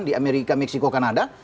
di amerika meksiko kanada